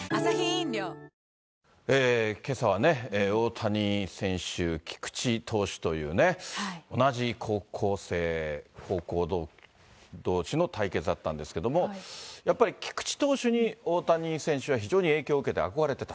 「颯」けさはね、大谷選手、菊池投手というね、同じ高校どうしの対決だったんですけど、やっぱり、菊池投手に大谷選手は非常に影響を受けて憧れてた。